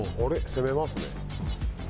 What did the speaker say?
攻めますね。